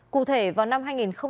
cụ thể vào năm hai nghìn hai mươi hai